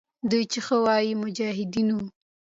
دوی چې ښه وایي، مجاهدین وو.